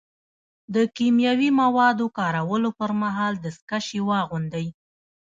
د کیمیاوي موادو کارولو پر مهال دستکشې واغوندئ.